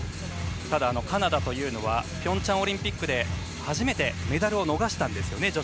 ただ、カナダというのはピョンチャンオリンピックで初めてメダルを逃したんですよね